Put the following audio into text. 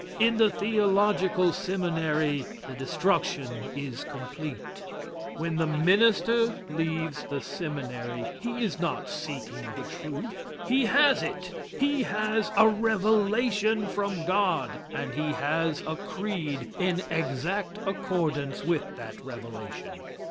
In the theological seminary the destruction is complete. When the minister leaves the seminary, he is not seeking the truth. He has it. He has a revelation from God, and he has a creed in exact accordance with that revelation.